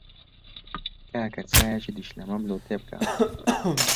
کاکە چایەکی دیشلەمەم لۆ تێ بکە.